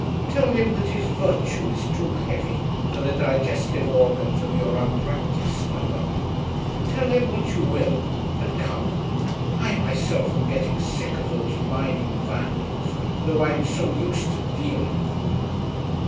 Tell him that his virtue is too heavy for the digestive organs of your unpractised stomach. Tell him what you will, but come. I myself am getting sick of those mining Vandals, though I am so used to dealing with them.'